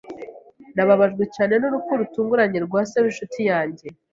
Nababajwe cyane n'urupfu rutunguranye rwa se w'inshuti yanjye.